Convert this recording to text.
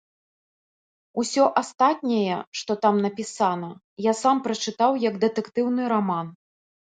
Усё астатняе, што там напісана, я сам прачытаў як дэтэктыўны раман.